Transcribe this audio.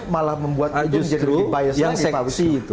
malah membuat itu menjadi bias lagi